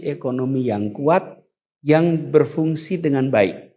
ekonomi yang kuat yang berfungsi dengan baik